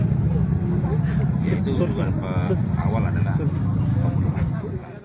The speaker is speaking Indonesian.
yaitu kesukaan awal adalah pembunuhan